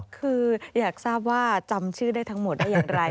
คืออยากทราบว่าจำชื่อได้ทั้งหมดได้อย่างไร